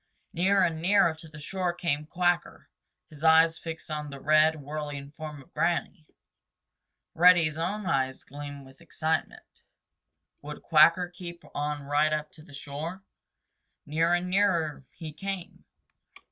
Nearer and nearer to the shore came Quacker, his eyes fixed on the red, whirling form of Granny. Reddy's own eyes gleamed with excitement. Would Quacker keep on right up to the shore? Nearer and nearer and nearer he came.